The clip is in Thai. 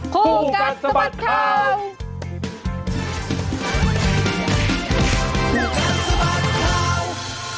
คู่กัดสะบัดข่าว